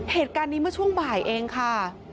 เหตุการณ์นี้เมื่อช่วงบ่ายเองค่ะ